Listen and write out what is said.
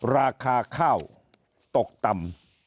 ราคาข้าวตกต่ำ